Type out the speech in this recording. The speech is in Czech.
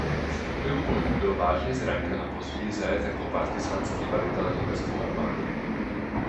V průběhu bojů byl vážně zraněn a později zajat jako partyzánský velitel německou armádou.